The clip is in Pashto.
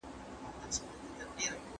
ازاده مطالعه په ټولنه کي فکري وده راوړي.